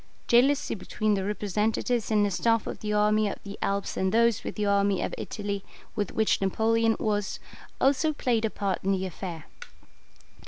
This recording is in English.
Jealousy between the representatives in the staff of the army of the Alps and those with the army of Italy, with which Napoleon was, also played a part in the affair.